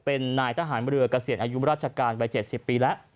เป็นนายทหารเรือเกษียณอายุราชการวัย๗๐ปีแล้ว